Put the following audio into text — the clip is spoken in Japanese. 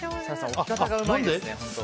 置き方がうまいですね。